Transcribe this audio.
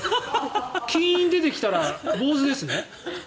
金印出てきたら坊主ですね？